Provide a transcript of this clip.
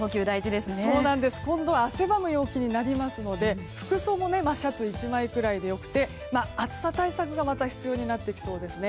今度は汗ばむ陽気になりますので服装もシャツ１枚くらいで良くて暑さ対策が必要になってきそうです。